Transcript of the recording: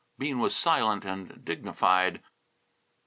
Bean was silent and dignified.